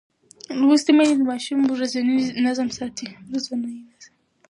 لوستې میندې د ماشوم ورځنی نظم ساتي.